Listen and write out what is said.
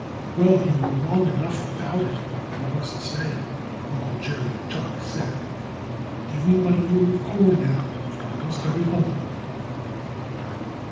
"Well, you were long enough about it, I must say!" Uncle Jerry Chuck said. "Give me my ear of corn now, for I must hurry home."